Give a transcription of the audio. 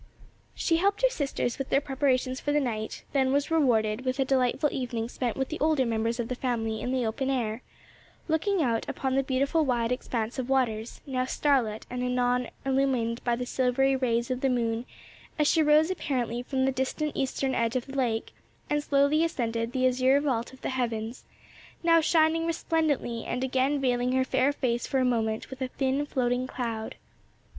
She helped her sisters with their preparations for the night, then was rewarded with a delightful evening spent with the older members of the family in the open air, looking out upon the beautiful wide expanse of waters, now starlit and anon illumined by the silvery rays of the moon as she rose apparently from the distant eastern edge of the lake and slowly ascended the azure vault of the heavens, now shining resplendently and again veiling her fair face for a moment with a thin floating cloud.